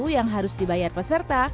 yang harus dibayar peserta